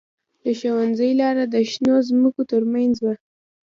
د ښوونځي لاره د شنو ځمکو ترمنځ وه